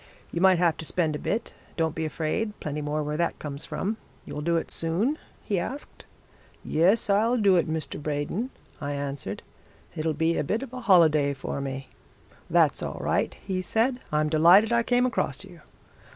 'You might have to spend a bit. Don't be afraid plenty more where that comes from. You'll do it soon?' he asked. 'Yes, I'll do it, Mr. Braden,' I answered. 'It'll be a bit of a holiday for me.' 'That's all right,' he said. 'I'm delighted I came across you.'